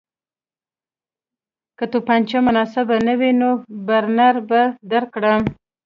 که توپانچه مناسبه نه وي نو برنر به درکړم